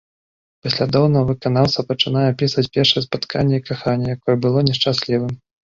Паслядоўна выканаўца пачынае апісвае першае спатканне і каханне, якое было не шчаслівым.